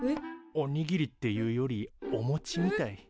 おにぎりっていうよりおもちみたい。